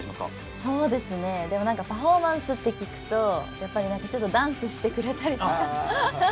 そうですねでも何かパフォーマンスって聞くとやっぱりちょっとダンスしてくれたりとか。